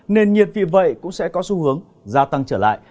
nền nhiệt vì vậy cũng sẽ có xu hướng gia tăng trở lại